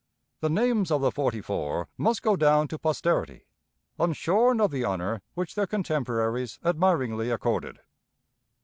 The names of the forty four must go down to posterity, unshorn of the honor which their contemporaries admiringly accorded.